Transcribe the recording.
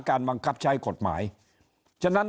ถ้าท่านผู้ชมติดตามข่าวสาร